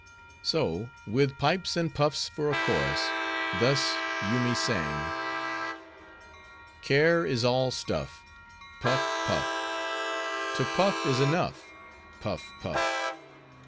"So with pipes and puffs for a chorus, thus Yoomy sang:— Care is all stuff:— Puff! Puff: To puff is enough:— Puff! Puff!